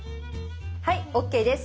はいＯＫです。